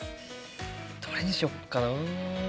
どれにしよっかな。